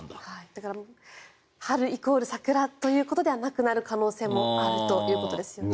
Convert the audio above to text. だから、春イコール桜ではなくなる可能性もあるということですよね。